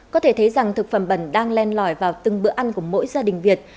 có thể thấy rằng thực phẩm bẩn đang len lỏi vào từng bữa ăn của mỗi gia đình việt